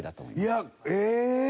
いやええ？